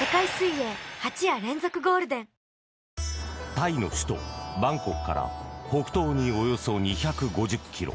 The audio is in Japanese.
タイの首都バンコクから北東におよそ２５０ｋｍ。